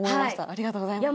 ありがとうございます。